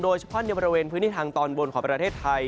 เฉพาะในบริเวณพื้นที่ทางตอนบนของประเทศไทย